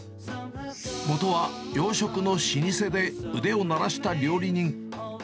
元は洋食の老舗で腕を鳴らした料理人。